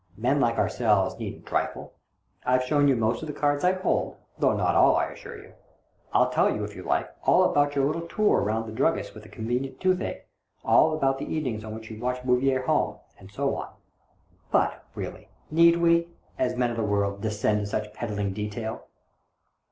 Men like ourselves needn't trifle. I've shown you most of the cards I hold, though not all, I assure you. I"ll tell you, if you like, all about your little tour round among the druggists with the convenient toothache, all about the evenings on which you watched Bouvier home, and so on. But, really, need we, as men of the world, descend to such peddling detail